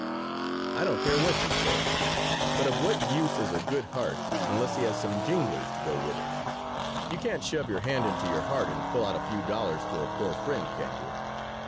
I don't care what you say, but of what use is a good heart unless he has some jinglers [note] to go with it? You can't shove your hand into your heart and pull out a few dollars for a poor friend, can you?